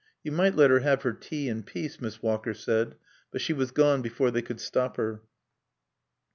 "You might let her have her tea in peace," Miss Walker said, but she was gone before they could stop her.